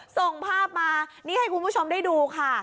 ส่งภาพมานี่ให้คุณผู้ชมได้ดูค่ะ